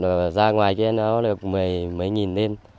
rồi ra ngoài kia nó được mấy nghìn lên